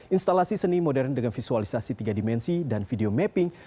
instalasi seni modern dengan visualisasi tiga dimensi dan video mapping